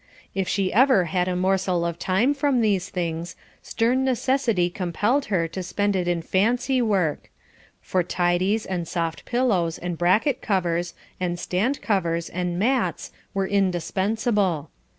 If she ever had a morsel of time from these things, stern necessity compelled her to spend it in fancy work; for tidies, and soft pillows, and bracket covers, and stand covers, and mats were indispensable.